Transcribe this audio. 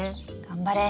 頑張れ！